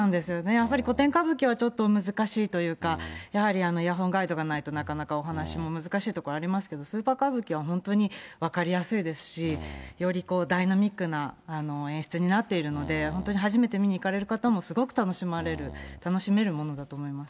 やっぱり古典歌舞伎はちょっと難しくというか、やはりイヤホンガイドがないとなかなかお話も難しいとこありますけど、スーパー歌舞伎は本当に分かりやすいですし、よりダイナミックな演出になっているので、本当に初めて見に行かれる方もすごく楽しまれる、楽しめるものだと思います。